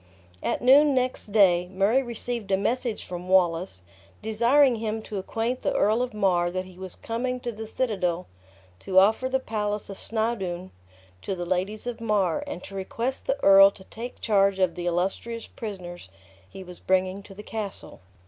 At noon next day Murray received a message from Wallace, desiring him to acquaint the Earl of Mar that he was coming to the citadel to offer the palace of Snawdoun to the ladies of Mar, and to request the earl to take charge of the illustrous prisoners he was bringing to the castle.